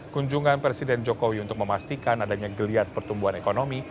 kunjungan presiden jokowi untuk memastikan adanya geliat pertumbuhan ekonomi